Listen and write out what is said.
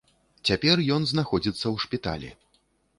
Цяпер ён знаходзіцца ў шпіталі.